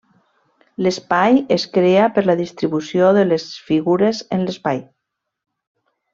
L'espai es crea per la distribució de les figures en l'espai.